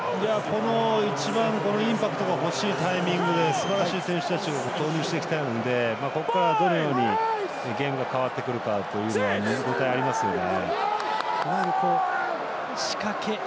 一番インパクトがほしい場面でいい選手たち投入してますので、ここからどのようにゲームが変わってくるかが見応えがありますね。